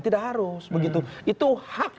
tidak harus begitu itu hak